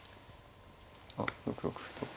あっ６六歩と。